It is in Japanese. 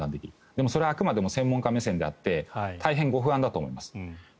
でもそれはあくまで専門家目線であって大変ご不安であると思います。